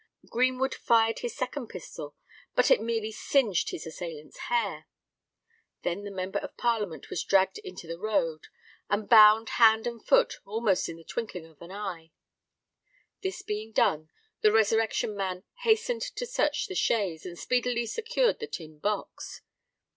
Greenwood fired his second pistol; but it merely singed his assailant's hair. Then the Member of Parliament was dragged into the road, and bound hand and foot almost in the twinkling of an eye. This being done, the Resurrection Man hastened to search the chaise, and speedily secured the tin box.